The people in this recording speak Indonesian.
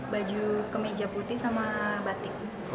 baju kemeja putih sama